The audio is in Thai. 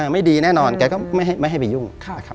ไม่ดีแน่นอนแกก็ไม่ให้ไปยุ่งนะครับ